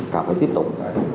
càng phải tiếp tục